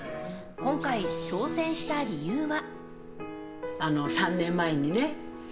今回、挑戦した理由は。